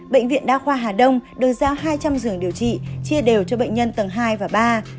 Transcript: bệnh viện đa khoa hà đông được giao hai trăm linh giường điều trị chia đều cho bệnh nhân tầng hai và ba